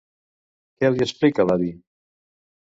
Què li explica l'avi?